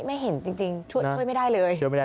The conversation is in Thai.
ไม่เห็นจริงช่วยไม่ได้เลย